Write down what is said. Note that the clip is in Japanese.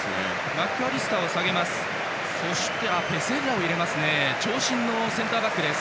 マックアリステルを下げます。